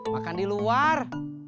makan di luar